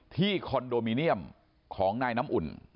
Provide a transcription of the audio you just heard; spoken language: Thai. ที่คอนโดมิเนียมของน้ำอุ่น